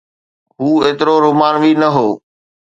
هو ايترو رومانوي نه هو.